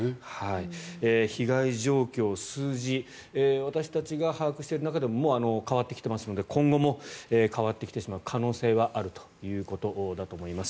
被害状況、数字私たちが把握している中でももう変わってきていますので今後も変わってきてしまう可能性はあるということだと思います。